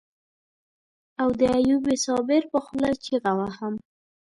او د ايوب صابر په خوله چيغه وهم.